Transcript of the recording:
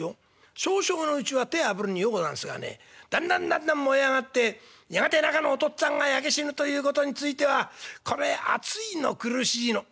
少々のうちは手ぇあぶるのにようござんすがねだんだんだんだん燃え上がってやがて中のお父っつぁんが焼け死ぬということについてはこれ熱いの苦しいの」。